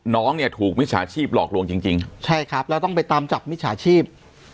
น้องเนี่ยถูกมิจฉาชีพหลอกลวงจริงจริงใช่ครับแล้วต้องไปตามจับมิจฉาชีพ